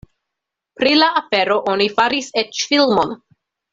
Pri la afero oni faris eĉ filmon.